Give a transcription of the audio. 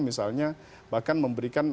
misalnya bahkan memberikan